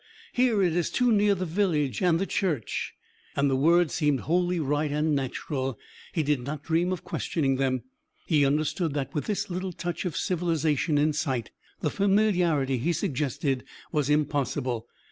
"Here it is too near the village and the church." And the words seemed wholly right and natural; he did not dream of questioning them; he understood that, with this little touch of civilisation in sight, the familiarity he suggested was impossible.